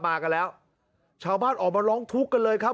มากันแล้วชาวบ้านออกมาร้องทุกข์กันเลยครับ